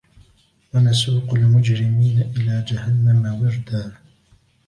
وَنَسُوقُ الْمُجْرِمِينَ إِلَى جَهَنَّمَ وِرْدًا